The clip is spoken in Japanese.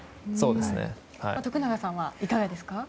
徳永さんはいかがですか？